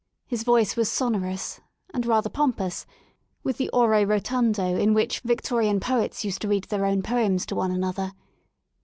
His voice was sonorous and rather pomp ous, with the ore rotundo in which Victorian poets used to read their own poems to one another.